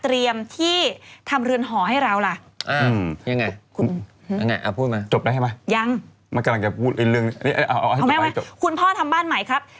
เตรียมที่ทำเรือนห่อให้เรายังไงพูดมาจบแล้วใช่ไหมยัง